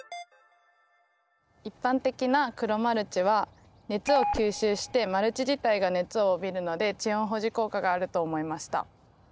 一般的な黒マルチは熱を吸収してマルチ自体が熱を帯びるので地温保持効果があると思いました。